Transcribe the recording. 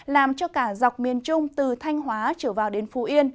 làm cho cả dọc miền trung từ thanh hóa trở vào đến phú yên